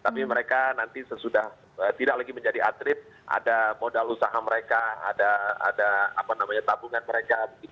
tapi mereka nanti sesudah tidak lagi menjadi atlet ada modal usaha mereka ada tabungan mereka